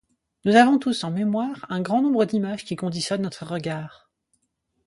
Nous avons tous en Mémoire un grand nombre dímages qui conditionnent notre regard.